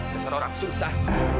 biasa orang susah